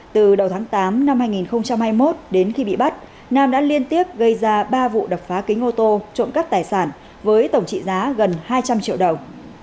từ đầu tháng tám năm hai nghìn hai mươi một đến khi bị bắt nam đã liên tiếp gây ra ba vụ đập phá kính ô tô trộm cắp tài sản với tổng trị giá gần hai trăm linh triệu đồng